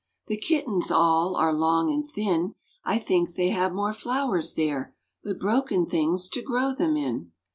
The kittens all are long and thin; I think they have more flowers there, But broken things to grow them in.